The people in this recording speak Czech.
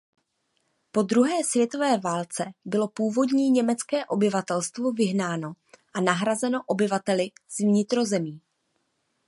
Po druhé světové válce bylo původní německé obyvatelstvo vyhnáno a nahrazeno obyvateli z vnitrozemí.